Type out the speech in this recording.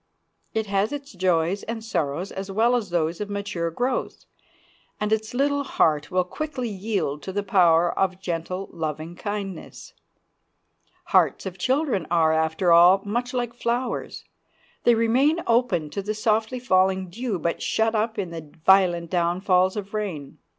It has its joys and sorrows as well as those of mature growth, and its little heart will quickly yield to the power of gentle, loving kindness. Hearts of children are, after all, much like flowers; they remain open to the softly falling dew, but shut up in the violent downfalls of rain.